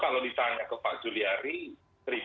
kalau ditanya ke pak juliari